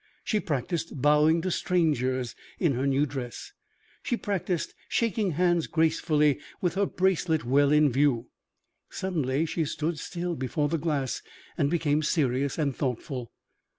She practiced bowing to strangers in her new dress; she practiced shaking hands gracefully, with her bracelet well in view. Suddenly she stood still before the glass and became serious and thoughtful.